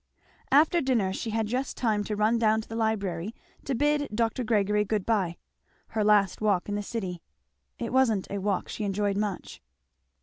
After dinner she had just time to run down to the library to bid Dr. Gregory good bye; her last walk in the city. It wasn't a walk she enjoyed much.